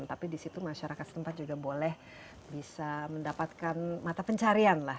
tapi di situ masyarakat setempat juga boleh bisa mendapatkan mata pencarian lah